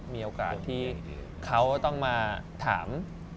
มีโอกาสที่เขาต้องมาถาม